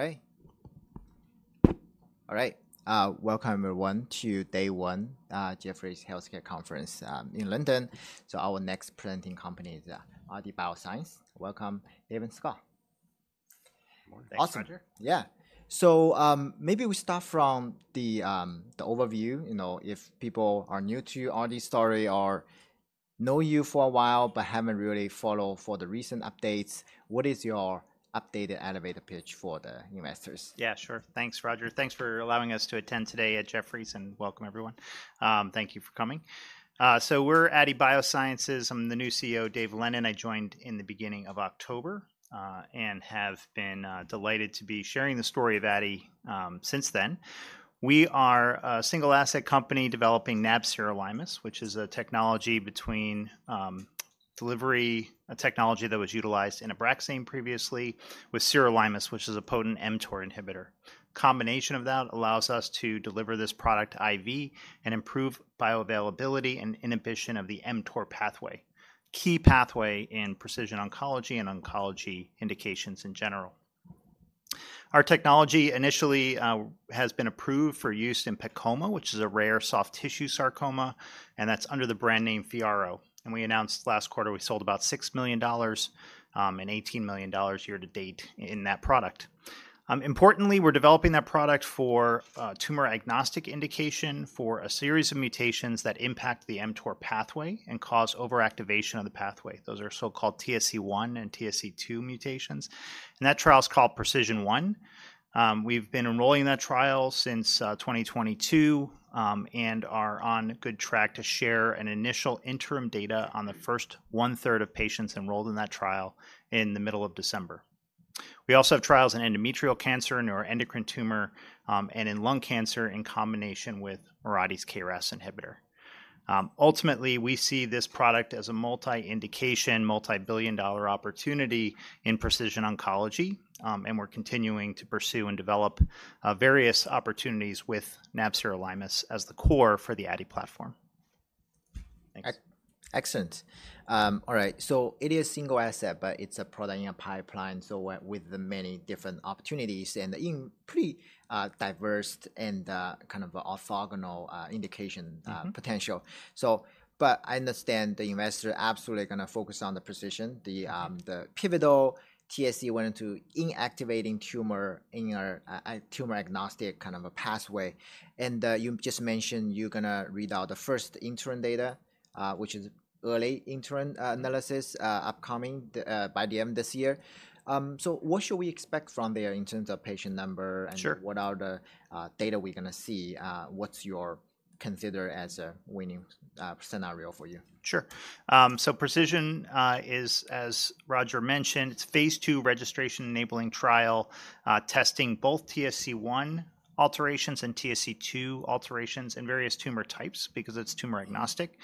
All right. All right, welcome, everyone, to day one, Jefferies Healthcare Conference, in London. So our next presenting company is, Aadi Bioscience. Welcome, Dave and Scott. Good morning. Thanks, Roger. Awesome. Yeah. So, maybe we start from the overview. You know, if people are new to Aadi's story or know you for a while but haven't really followed for the recent updates, what is your updated elevator pitch for the investors? Yeah, sure. Thanks, Roger. Thanks for allowing us to attend today at Jefferies, and welcome, everyone. Thank you for coming. So we're Aadi Bioscience. I'm the new CEO, Dave Lennon. I joined in the beginning of October, and have been delighted to be sharing the story of Aadi, since then. We are a single-asset company developing nab-sirolimus, which is a technology between delivery, a technology that was utilized in Abraxane previously with sirolimus, which is a potent mTOR inhibitor. Combination of that allows us to deliver this product IV and improve bioavailability and inhibition of the mTOR pathway, key pathway in precision oncology and oncology indications in general. Our technology initially has been approved for use in PEComa, which is a rare soft tissue sarcoma, and that's under the brand name FYARRO. And we announced last quarter, we sold about $6 million, and $18 million year to date in that product. Importantly, we're developing that product for a tumor-agnostic indication for a series of mutations that impact the mTOR pathway and cause overactivation of the pathway. Those are so-called TSC1 and TSC2 mutations, and that trial is called PRECISION1. We've been enrolling that trial since 2022, and are on good track to share an initial interim data on the first one-third of patients enrolled in that trial in the middle of December. We also have trials in endometrial cancer, neuroendocrine tumor, and in lung cancer in combination with Mirati's KRAS inhibitor. Ultimately, we see this product as a multi-indication, multi-billion-dollar opportunity in precision oncology, and we're continuing to pursue and develop various opportunities with nab-sirolimus as the core for the Aadi platform. Thanks. Excellent. All right, so it is single asset, but it's a product in your pipeline, so with the many different opportunities and in pretty diverse and kind of orthogonal indication- Mm-hmm... potential. So but I understand the investor absolutely going to focus on the precision, the pivotal TSC1 and TSC2 inactivating tumor in your tumor-agnostic kind of a pathway. And you just mentioned you're gonna read out the first interim data, which is early interim analysis upcoming by the end of this year. So what should we expect from there in terms of patient number- Sure... and what are the data we're gonna see? What do you consider a winning scenario for you? Sure. So Precision is, as Roger mentioned, it's phase II registration-enabling trial testing both TSC1 alterations and TSC2 alterations in various tumor types because it's tumor agnostic.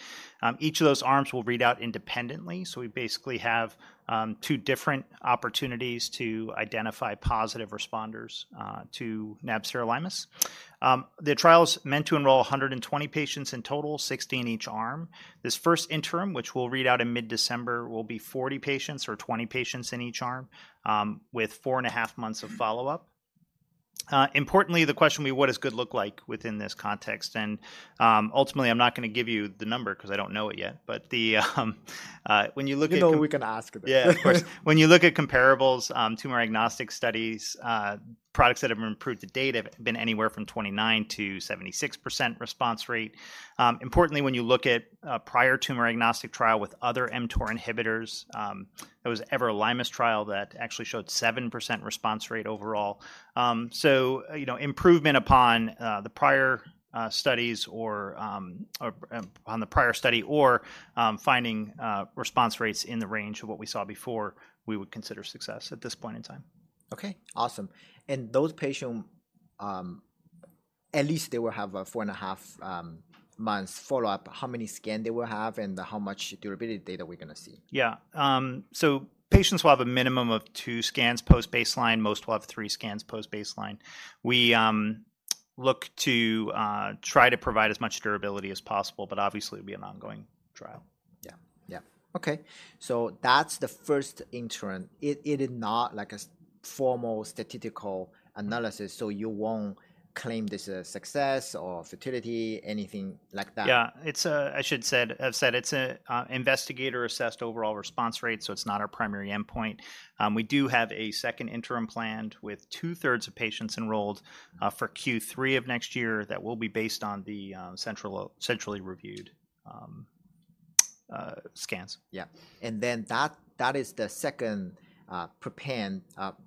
Each of those arms will read out independently, so we basically have two different opportunities to identify positive responders to nab-sirolimus. The trial is meant to enroll 120 patients in total, 60 in each arm. This first interim, which we'll read out in mid-December, will be 40 patients or 20 patients in each arm with four and a half months of follow-up. Importantly, the question will be: what does good look like within this context? And ultimately, I'm not gonna give you the number because I don't know it yet, but the when you look at- You know we can ask it. Yeah, of course. When you look at comparables, tumor-agnostic studies, products that have been approved to date have been anywhere from 29%-76% response rate. Importantly, when you look at prior tumor-agnostic trial with other mTOR inhibitors, it was everolimus trial that actually showed 7% response rate overall. So, you know, improvement upon the prior studies or or on the prior study or finding response rates in the range of what we saw before, we would consider success at this point in time. Okay, awesome. And those patient at least they will have a 4.5 months follow-up. How many scan they will have, and how much durability data we're gonna see? Yeah. So patients will have a minimum of two scans post-baseline. Most will have three scans post-baseline. We look to try to provide as much durability as possible, but obviously, it'll be an ongoing trial. Yeah. Yeah. Okay, so that's the first interim. It, it is not like a formal statistical analysis, so you won't claim this a success or failure, anything like that? Yeah. I should have said it's a investigator-assessed overall response rate, so it's not our primary endpoint. We do have a second interim planned with 2/3 of patients enrolled, for Q3 of next year. That will be based on the centrally reviewed scans. Yeah. And then that, that is the second prepared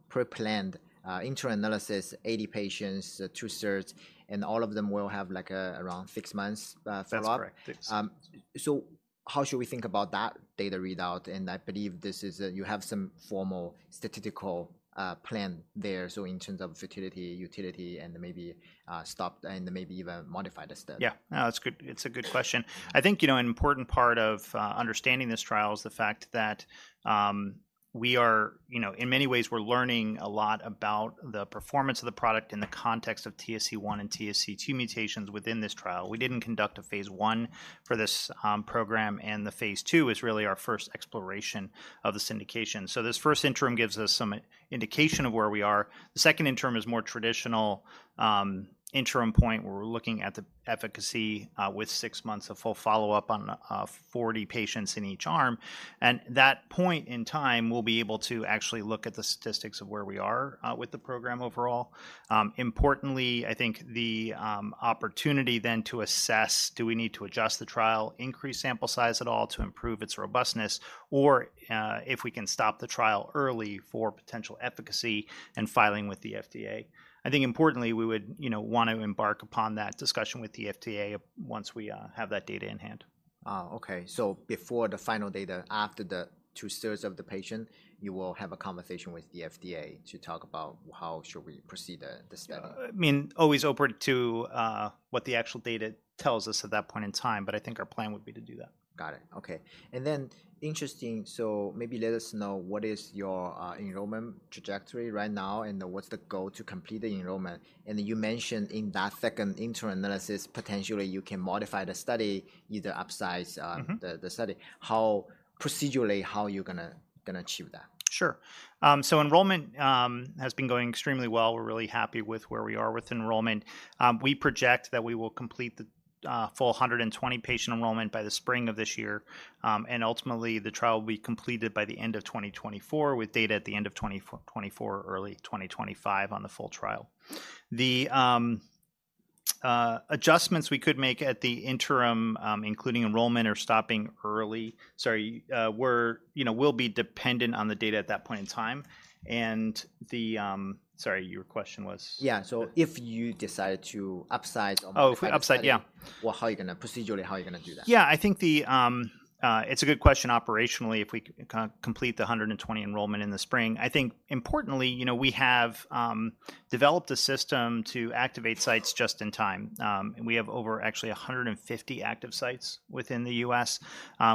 pre-planned interim analysis, 80 patients, 2/3, and all of them will have, like, around 6 months follow-up. That's correct. 6. So how should we think about that data readout? And I believe this is, you have some formal statistical plan there, so in terms of futility, utility, and maybe stop and maybe even modify the study. Yeah. No, it's good. It's a good question. I think, you know, an important part of understanding this trial is the fact that we are, you know, in many ways, we're learning a lot about the performance of the product in the context of TSC1 and TSC2 mutations within this trial. We didn't conduct a phase I for this program, and the phase II is really our first exploration of this indication. So this first interim gives us some indication of where we are. The second interim is more traditional interim point, where we're looking at the efficacy with six months of full follow-up on 40 patients in each arm. That point in time, we'll be able to actually look at the statistics of where we are with the program overall. Importantly, I think the opportunity then to assess, do we need to adjust the trial, increase sample size at all to improve its robustness, or, if we can stop the trial early for potential efficacy and filing with the FDA. I think importantly, we would, you know, want to embark upon that discussion with the FDA once we have that data in hand. Okay. So before the final data, after the two-thirds of the patient, you will have a conversation with the FDA to talk about how should we proceed, the study? I mean, always open to what the actual data tells us at that point in time, but I think our plan would be to do that. Got it. Okay. And then interesting, so maybe let us know what is your enrollment trajectory right now, and what's the goal to complete the enrollment? And you mentioned in that second interim analysis, potentially you can modify the study, either upsize... Mm-hmm... the study. How, procedurally, are you gonna achieve that? Sure. So enrollment has been going extremely well. We're really happy with where we are with enrollment. We project that we will complete the full 120-patient enrollment by the spring of this year, and ultimately, the trial will be completed by the end of 2024, with data at the end of 2024 or early 2025 on the full trial. The adjustments we could make at the interim, including enrollment or stopping early - sorry, were, you know, will be dependent on the data at that point in time. And... Sorry, your question was? Yeah. So if you decide to upsize or- Oh, if upsize, yeah. Well, procedurally, how are you gonna do that? Yeah, I think it's a good question operationally, if we can kind of complete the 120 enrollment in the spring. I think importantly, you know, we have developed a system to activate sites just in time. And we have over actually 150 active sites within the U.S.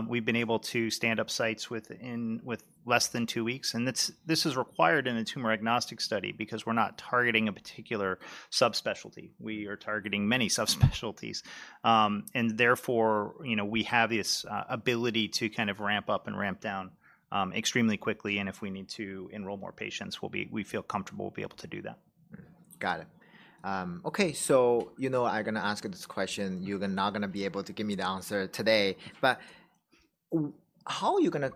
We've been able to stand up sites within, with less than two weeks, and it's required in a tumor-agnostic study because we're not targeting a particular subspecialty. We are targeting many subspecialties. And therefore, you know, we have this ability to kind of ramp up and ramp down extremely quickly, and if we need to enroll more patients, we feel comfortable we'll be able to do that. Got it. Okay, so you know I'm gonna ask you this question. You are not gonna be able to give me the answer today, but how are you gonna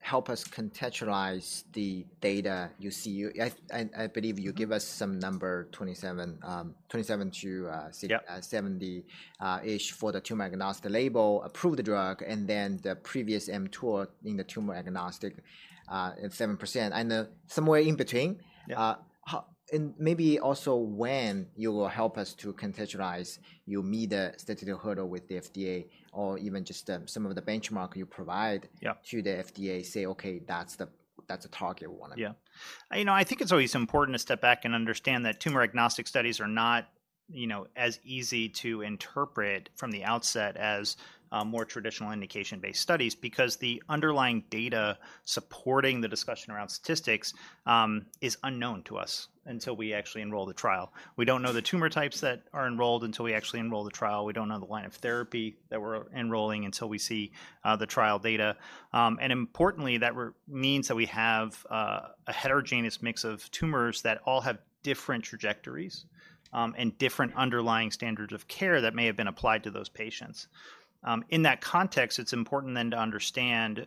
help us contextualize the data you see? I believe you give us some number, 27, 27 to- Yeah... 60, 70, each for the tumor-agnostic label, approve the drug, and then the previous mTOR in the tumor-agnostic, at 7%, and, somewhere in between? Yeah. How and maybe also when you will help us to contextualize, you meet the statistical hurdle with the FDA or even just, some of the benchmark you provide? Yeah... to the FDA say, "Okay, that's the, that's the target we wanna- Yeah. You know, I think it's always important to step back and understand that tumor-agnostic studies are not, you know, as easy to interpret from the outset as more traditional indication-based studies. Because the underlying data supporting the discussion around statistics is unknown to us until we actually enroll the trial. We don't know the tumor types that are enrolled until we actually enroll the trial. We don't know the line of therapy that we're enrolling until we see the trial data. Importantly, that means that we have a heterogeneous mix of tumors that all have different trajectories and different underlying standards of care that may have been applied to those patients. In that context, it's important then to understand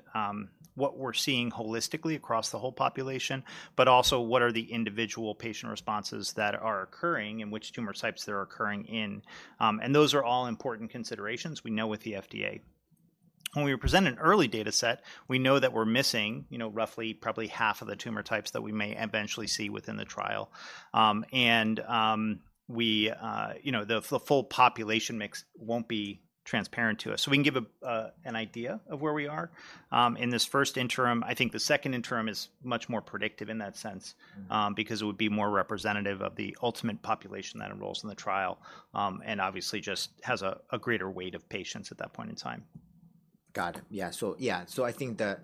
what we're seeing holistically across the whole population, but also, what are the individual patient responses that are occurring, and which tumor types they are occurring in. And those are all important considerations we know with the FDA. When we present an early data set, we know that we're missing, you know, roughly probably half of the tumor types that we may eventually see within the trial. And, we, you know, the full population mix won't be transparent to us. So we can give an idea of where we are in this first interim. I think the second interim is much more predictive in that sense- Mm... because it would be more representative of the ultimate population that enrolls in the trial, and obviously just has a greater weight of patients at that point in time. Got it. Yeah, so yeah. So I think the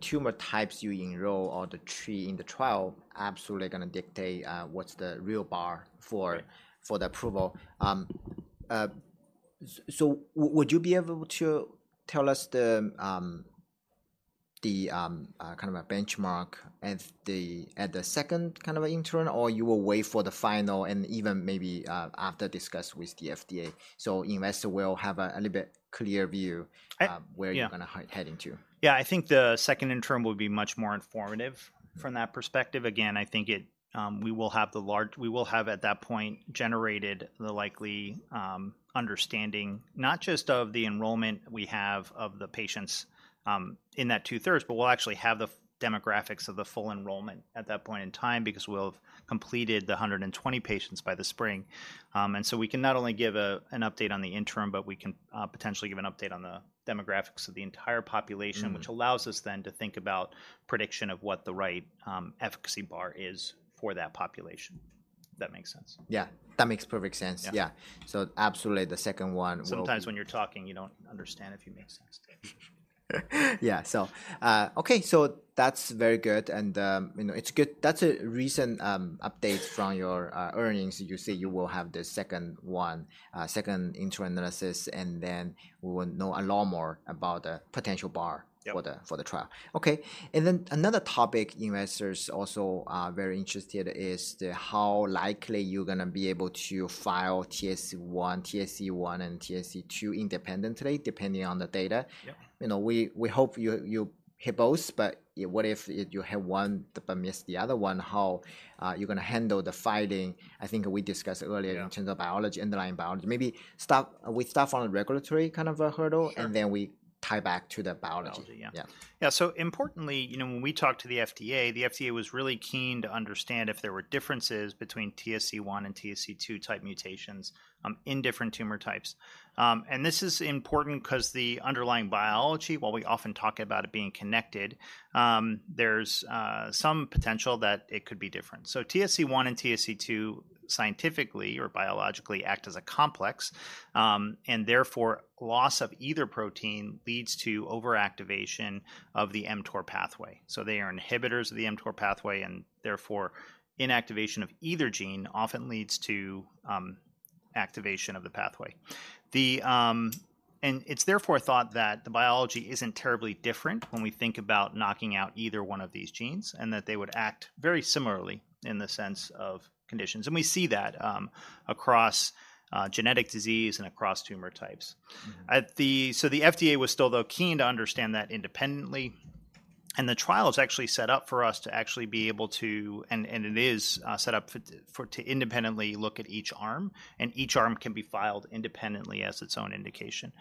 tumor types you enroll or the three in the trial are absolutely gonna dictate what's the real bar for the approval. So would you be able to tell us the kind of a benchmark at the second kind of interim, or you will wait for the final and even maybe after discussion with the FDA, so investor will have a little bit clear view- I-... where you're gonna heading to? Yeah, I think the second interim will be much more informative from that perspective. Again, I think it, we will have, at that point, generated the likely understanding, not just of the enrollment we have of the patients, in that two-thirds, but we'll actually have the demographics of the full enrollment at that point in time because we'll have completed the 120 patients by the spring. And so we can not only give a, an update on the interim, but we can potentially give an update on the demographics of the entire population- Mm... which allows us then to think about prediction of what the right efficacy bar is for that population... that makes sense. Yeah, that makes perfect sense. Yeah. Yeah. So absolutely, the second one will- Sometimes when you're talking, you don't understand if you make sense. Yeah. So, okay, so that's very good, and, you know, it's good. That's a recent update from your earnings. You say you will have the second one, second interim analysis, and then we will know a lot more about the potential bar- Yeah... for the trial. Okay, and then another topic investors also are very interested is the how likely you're gonna be able to file TSC1 and TSC2 independently, depending on the data. Yeah. You know, we hope you hit both, but, yeah, what if you have one but miss the other one, how you're gonna handle the filing? I think we discussed earlier- Yeah... in terms of biology, underlying biology, maybe start, we start from a regulatory kind of a hurdle- Sure... and then we tie back to the biology. Biology, yeah. Yeah. Yeah, so importantly, you know, when we talked to the FDA, the FDA was really keen to understand if there were differences between TSC1 and TSC2 type mutations in different tumor types. And this is important 'cause the underlying biology, while we often talk about it being connected, there's some potential that it could be different. So TSC1 and TSC2, scientifically or biologically, act as a complex, and therefore, loss of either protein leads to overactivation of the mTOR pathway. So they are inhibitors of the mTOR pathway, and therefore, inactivation of either gene often leads to activation of the pathway. It's therefore thought that the biology isn't terribly different when we think about knocking out either one of these genes, and that they would act very similarly in the sense of conditions, and we see that across genetic disease and across tumor types. Mm. So the FDA was still, though, keen to understand that independently, and the trial is actually set up for us to actually be able to. And it is set up to independently look at each arm, and each arm can be filed independently as its own indication.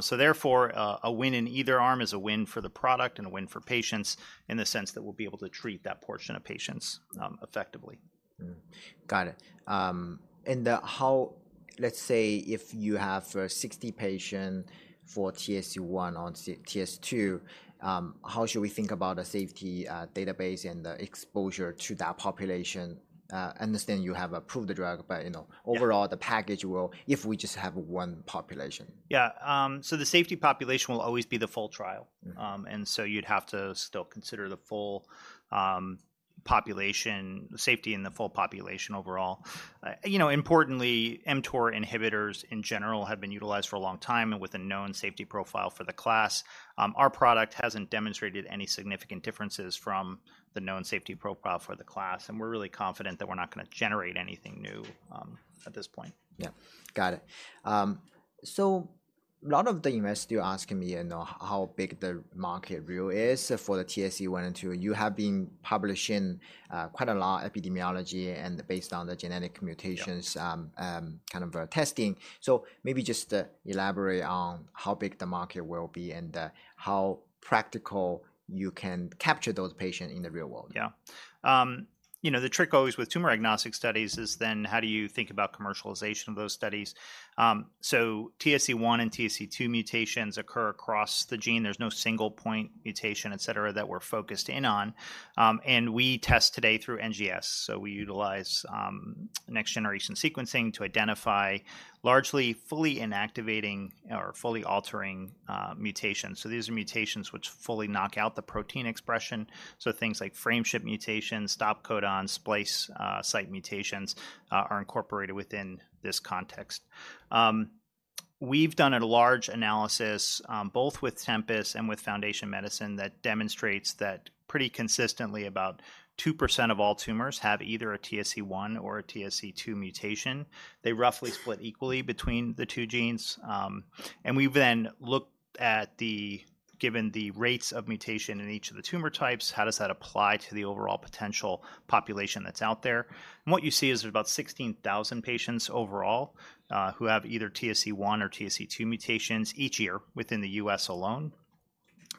So therefore, a win in either arm is a win for the product and a win for patients in the sense that we'll be able to treat that portion of patients effectively. Got it. Let's say if you have 60 patients for TSC1 or TSC2, how should we think about the safety database and the exposure to that population? I understand you have approved the drug, but, you know- Yeah... overall, the package will, if we just have one population. Yeah. So the safety population will always be the full trial. Mm. So you'd have to still consider the full population, safety in the full population overall. You know, importantly, mTOR inhibitors, in general, have been utilized for a long time and with a known safety profile for the class. Our product hasn't demonstrated any significant differences from the known safety profile for the class, and we're really confident that we're not gonna generate anything new at this point. Yeah. Got it. So a lot of the investors are asking me, you know, how big the market really is for the TSC1 and TSC2. You have been publishing quite a lot epidemiology and based on the genetic mutations- Yeah... kind of testing. So maybe just elaborate on how big the market will be and how practical you can capture those patients in the real world. Yeah. You know, the trick always with tumor-agnostic studies is then how do you think about commercialization of those studies? So TSC1 and TSC2 mutations occur across the gene. There's no single point mutation, et cetera, that we're focused in on. And we test today through NGS, so we utilize next-generation sequencing to identify largely, fully inactivating or fully altering mutations. So these are mutations which fully knock out the protein expression, so things like frameshift mutations, stop codon, splice site mutations are incorporated within this context. We've done a large analysis both with Tempus and with Foundation Medicine that demonstrates that pretty consistently, about 2% of all tumors have either a TSC1 or a TSC2 mutation. They roughly split equally between the two genes. And we've then looked at, given the rates of mutation in each of the tumor types, how does that apply to the overall potential population that's out there? And what you see is about 16,000 patients overall, who have either TSC1 or TSC2 mutations each year within the U.S. alone.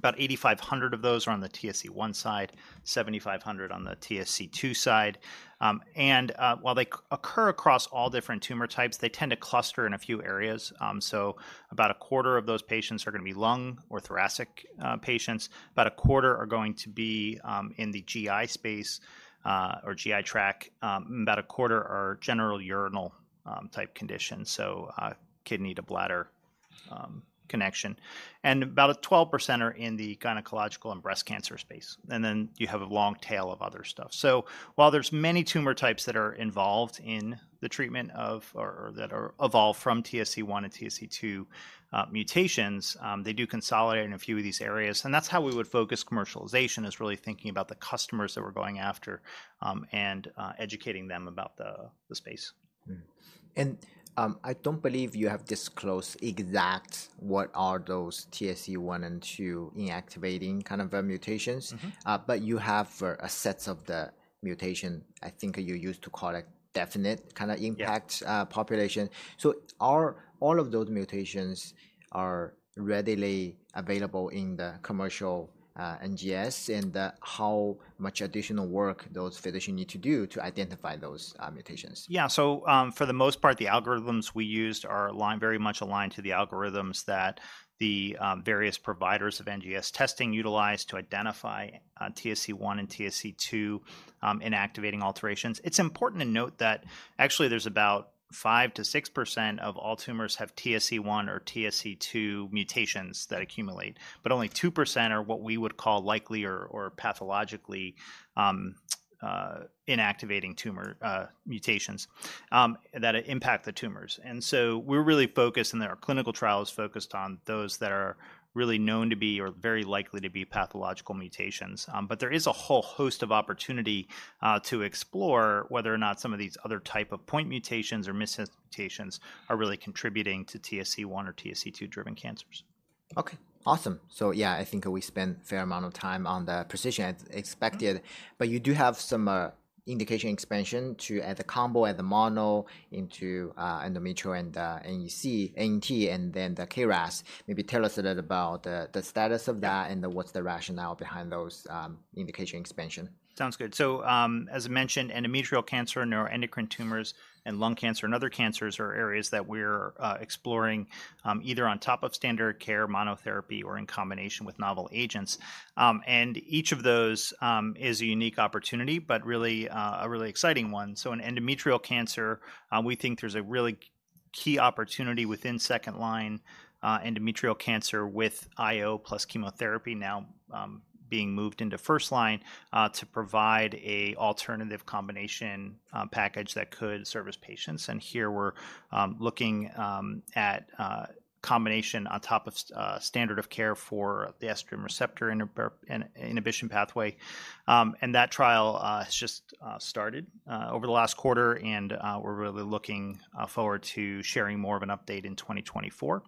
About 8,500 of those are on the TSC1 side, 7,500 on the TSC2 side. While they occur across all different tumor types, they tend to cluster in a few areas. So about a quarter of those patients are gonna be lung or thoracic patients. About a quarter are going to be in the GI space or GI tract. About a quarter are general urological type conditions, so a kidney to bladder connection. And about 12% are in the gynecological and breast cancer space, and then you have a long tail of other stuff. So while there's many tumor types that are involved in the treatment of, that are evolved from TSC1 and TSC2 mutations, they do consolidate in a few of these areas, and that's how we would focus commercialization, is really thinking about the customers that we're going after, and educating them about the space. I don't believe you have disclosed exactly what are those TSC1 and TSC2 inactivating kind of mutations? Mm-hmm. But you have a set of the mutation. I think you used to call it definite- Yeah... kind of impact, population. So are all of those mutations are readily available in the commercial, NGS, and, how much additional work those physicians need to do to identify those, mutations? Yeah, so, for the most part, the algorithms we used are aligned, very much aligned to the algorithms that the various providers of NGS testing utilize to identify TSC1 and TSC2 inactivating alterations. It's important to note that actually, there's about 5%-6% of all tumors have TSC1 or TSC2 mutations that accumulate, but only 2% are what we would call likely or pathologically inactivating tumor mutations that it impact the tumors. And so we're really focused, and there are clinical trials focused on those that are really known to be or very likely to be pathological mutations. But there is a whole host of opportunity to explore whether or not some of these other type of point mutations or missense mutations are really contributing to TSC1 or TSC2-driven cancers. Okay, awesome. So yeah, I think we spent a fair amount of time on the precision as expected. Mm-hmm. But you do have some indication expansion to add the combo, add the mono into endometrial and NEC, NET, and then the KRAS. Maybe tell us a little about the status of that. Yeah... and what's the rationale behind those, indication expansion? Sounds good. So, as I mentioned, endometrial cancer, neuroendocrine tumors, and lung cancer and other cancers are areas that we're exploring, either on top of standard care monotherapy or in combination with novel agents. And each of those is a unique opportunity, but really, a really exciting one. So in endometrial cancer, we think there's a really key opportunity within second-line endometrial cancer with IO plus chemotherapy now being moved into first line, to provide a alternative combination package that could service patients. And here, we're looking at combination on top of standard of care for the estrogen receptor inhibition pathway. And that trial has just started over the last quarter, and we're really looking forward to sharing more of an update in 2024.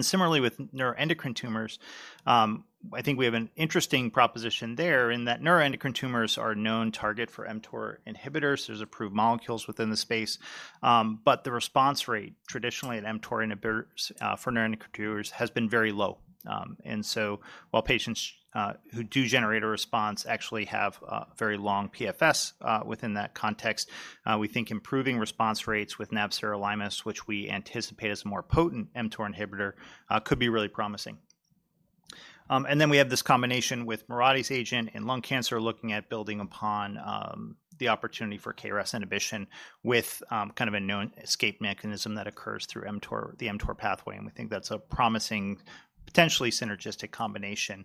Similarly, with neuroendocrine tumors, I think we have an interesting proposition there in that neuroendocrine tumors are a known target for mTOR inhibitors. There's approved molecules within the space, but the response rate, traditionally in mTOR inhibitors, for neuroendocrine tumors has been very low. So while patients who do generate a response actually have a very long PFS within that context, we think improving response rates with nab-sirolimus, which we anticipate is a more potent mTOR inhibitor, could be really promising. Then we have this combination with Mirati's agent in lung cancer, looking at building upon the opportunity for KRAS inhibition with kind of a known escape mechanism that occurs through mTOR, the mTOR pathway, and we think that's a promising, potentially synergistic combination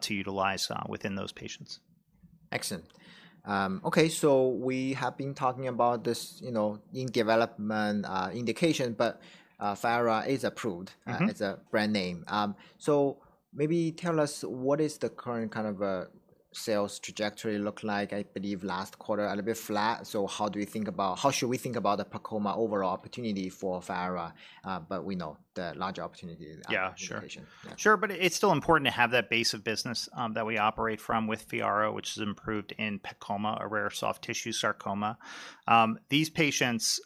to utilize within those patients. Excellent. Okay, so we have been talking about this, you know, in development, indication, but, FYARRO is approved- Mm-hmm... as a brand name. So maybe tell us, what is the current kind of sales trajectory look like? I believe last quarter, a little bit flat. So how do you think about - how should we think about the PEComa overall opportunity for FYARRO? But we know the larger opportunity- Yeah, sure... indication. Yeah. Sure, but it's still important to have that base of business that we operate from with FYARRO, which is approved in PEComa, a rare soft tissue sarcoma. These patients,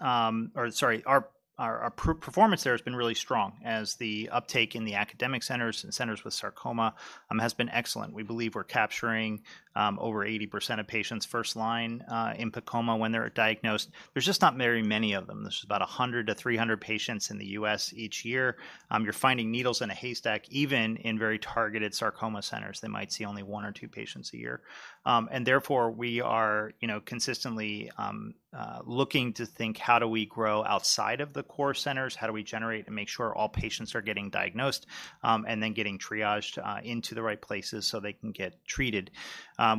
performance there has been really strong as the uptake in the academic centers and centers with sarcoma has been excellent. We believe we're capturing over 80% of patients first line in PEComa when they're diagnosed. There's just not very many of them. There's about 100-300 patients in the U.S. each year. You're finding needles in a haystack, even in very targeted sarcoma centers, they might see only one or two patients a year. And therefore, we are, you know, consistently looking to think, "How do we grow outside of the core centers? How do we generate and make sure all patients are getting diagnosed, and then getting triaged into the right places so they can get treated?"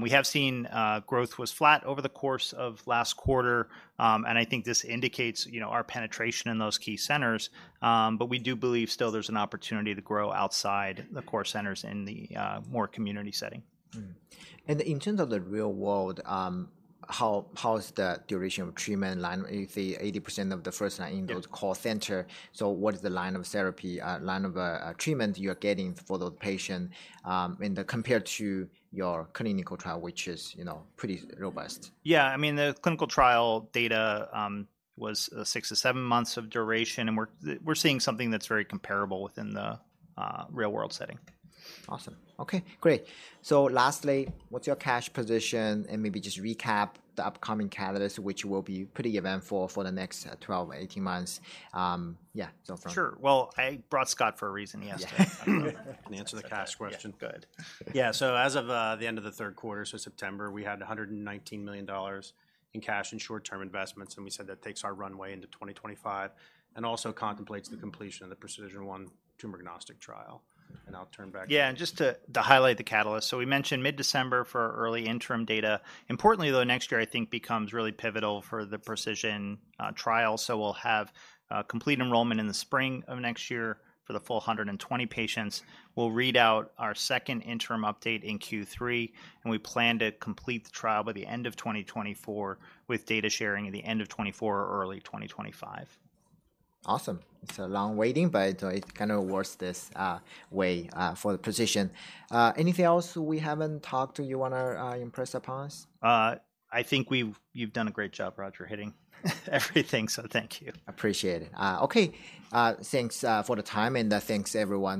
We have seen growth was flat over the course of last quarter, and I think this indicates, you know, our penetration in those key centers. But we do believe still there's an opportunity to grow outside the core centers in the more community setting. Mm-hmm. In terms of the real world, how is the duration of treatment line, if 80% of the first line- Yeah... in those core centers, so what is the line of therapy, line of treatment you are getting for the patient in them compared to your clinical trial, which is, you know, pretty robust? Yeah. I mean, the clinical trial data was 6-7 months of duration, and we're seeing something that's very comparable within the real-world setting. Awesome. Okay, great. So lastly, what's your cash position? And maybe just recap the upcoming catalyst, which will be pretty eventful for the next 12-18 months. Yeah, so from- Sure. Well, I brought Scott for a reason. He has to- Yeah. - can answer the cash question. Yeah, good. Yeah. Yeah, so as of the end of the third quarter, so September, we had $119 million in cash and short-term investments, and we said that takes our runway into 2025 and also contemplates the completion of the PRECISION1 tumor-agnostic trial. And I'll turn back- Yeah, and just to, to highlight the catalyst, so we mentioned mid-December for early interim data. Importantly, though, next year, I think, becomes really pivotal for the precision trial. So we'll have complete enrollment in the spring of next year for the full 120 patients. We'll read out our second interim update in Q3, and we plan to complete the trial by the end of 2024, with data sharing at the end of 2024 or early 2025. Awesome. It's a long wait, but it's kind of worth this wait for the precision. Anything else we haven't talked that you wanna impress upon us? I think you've done a great job, Roger, hitting everything, so thank you. Appreciate it. Okay, thanks for the time, and thanks, everyone.